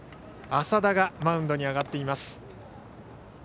浅田がマウンドに上がっています。